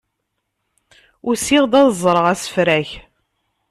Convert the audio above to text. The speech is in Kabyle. Usiɣ-d ad ẓreɣ asefrak.